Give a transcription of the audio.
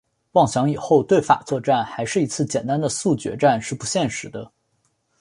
妄想以后对法作战还是一次简单的速决战是不现实的。